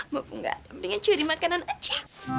mampu gak ada yang beringin curi makanan aja